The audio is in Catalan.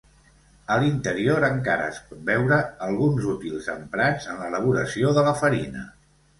A l'interior encara es pot veure alguns útils emprats en l'elaboració de la farina.